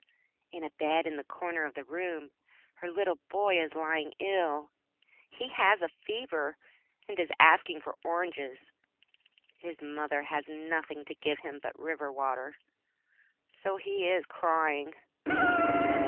In a bed in the corner of the room her little boy is lying ill. He has a fever, and is asking for oranges. His mother has nothing to give him but river water, so he is crying.